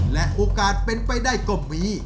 และโอกาสเป็นไปได้ก็มี